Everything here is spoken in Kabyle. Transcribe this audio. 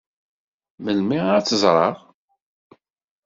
Melmi ad tt-ẓṛeɣ?